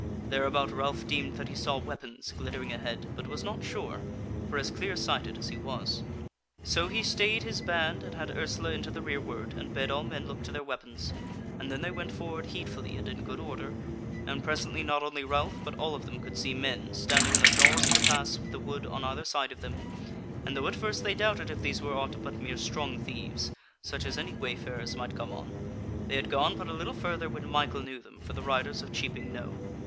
Thereabout Ralph deemed that he saw weapons glittering ahead, but was not sure, for as clear sighted as he was. So he stayed his band, and had Ursula into the rearward, and bade all men look to their weapons, and then they went forward heedfully and in good order, and presently not only Ralph, but all of them could see men standing in the jaws of the pass with the wood on either side of them, and though at first they doubted if these were aught but mere strong thieves, such as any wayfarers might come on, they had gone but a little further when Michael knew them for the riders of Cheaping Knowe.